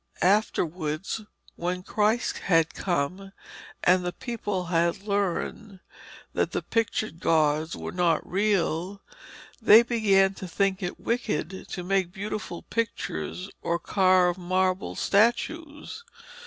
Afterwards, when Christ had come and the people had learned that the pictured gods were not real, they began to think it wicked to make beautiful pictures or carve marble statues.